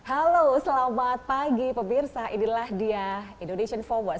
halo selamat pagi pemirsa inilah dia indonesian forward